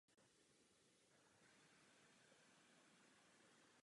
S počtem studentů narůstal i pedagogický sbor.